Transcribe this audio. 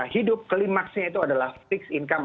hidup klimaksnya itu adalah fixed income